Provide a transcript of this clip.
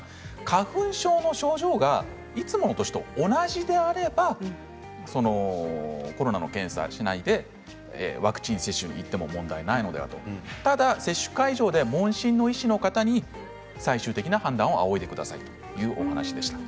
花粉症の症状がいつもの年と同じであればコロナの検査をしないでワクチン接種に行っても問題ないのでは、ただ接種会場で問診の医師の方に最終的な判断を仰いでくださいということでした。